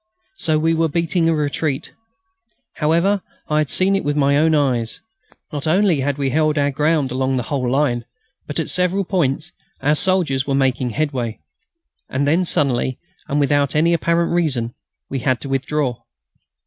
So we were beating a retreat. However, I had seen it with my own eyes; not only had we held our ground along the whole line, but at several points our soldiers were making headway. And then suddenly, and without any apparent reason, we had to withdraw.